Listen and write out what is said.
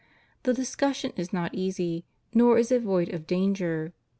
The dis cussion is not easy, nor is it void of danger.